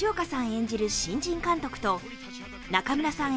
演じる新人監督と中村さん